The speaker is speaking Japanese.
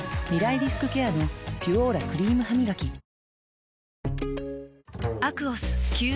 リスクケアの「ピュオーラ」クリームハミガキヘイ！